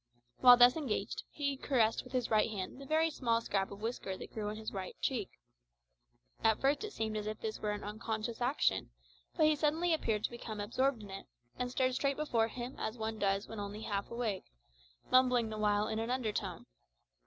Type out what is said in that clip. While thus engaged, he caressed with his right hand the very small scrap of whisker that grew on his right cheek. At first it seemed as if this were an unconscious action, but he suddenly appeared to become absorbed in it, and stared straight before him as one does when only half awake, mumbling the while in an undertone.